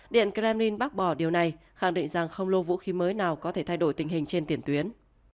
điện kremlin bác bỏ điều này khẳng định rằng không lô vũ khí mới nào có thể thay đổi tình hình trên tiền tuyến